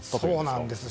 そうなんです。